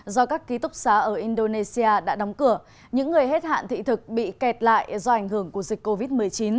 do các ký túc xá ở indonesia đã đóng cửa những người hết hạn thị thực bị kẹt lại do ảnh hưởng của dịch covid một mươi chín